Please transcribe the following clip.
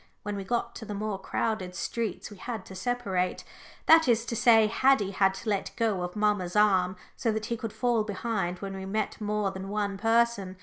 When we got to the more crowded streets we had to separate that is to say, Haddie had to let go of mamma's arm, so that he could fall behind when we met more than one person.